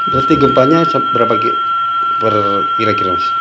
berarti gempa berapa kilo